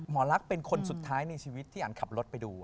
หมอลักษณ์เป็นคนสุดท้ายในชีวิตที่อันขับรถไปดู